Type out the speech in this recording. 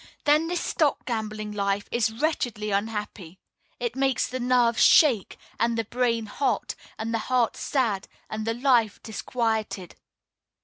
Then this stock gambling life is wretchedly unhappy. It makes the nerves shake, and the brain hot, and the heart sad, and the life disquieted.